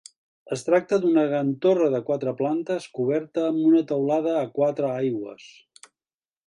Es tracta d'una gran torre de quatre plantes coberta amb una teulada a quatre aigües.